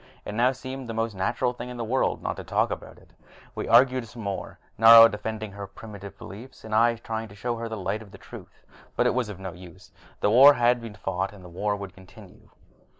It now seemed the most natural thing in the world not to talk about it. We argued some more, Nari defending her primitive beliefs, I trying to show her the light of truth. But it was no use: the war had been fought and the war would continue.